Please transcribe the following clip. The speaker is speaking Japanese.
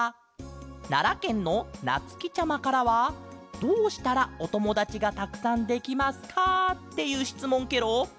ならけんのなつきちゃまからは「どうしたらおともだちがたくさんできますか？」っていうしつもんケロ。